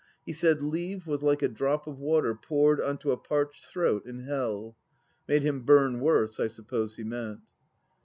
He said Leave was like a drop of water poured on to a parched throat in Hell. Made him burn worse, I suppose he meant.